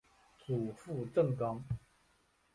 祖父郑刚。